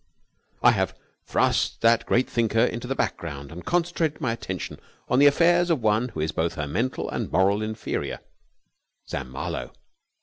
I have thrust that great thinker into the background and concentrated my attention on the affairs of one who is both her mental and moral inferior, Samuel Marlowe.